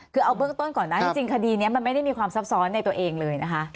คือเอาเบื้องต้นก่อนนะจริงคดีนี้มันไม่ได้มีความซับซ้อนในตัวเองเลยนะคะ